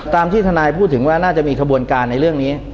ที่ทนายพูดถึงว่าน่าจะมีขบวนการในเรื่องนี้